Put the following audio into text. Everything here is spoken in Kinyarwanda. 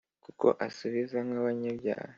kuko asubiza nk’abanyabyaha